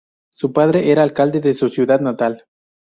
Su padre era alcalde de su ciudad natal.